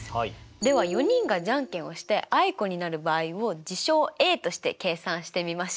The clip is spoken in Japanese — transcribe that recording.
では４人がじゃんけんをしてあいこになる場合を事象Ａとして計算してみましょう。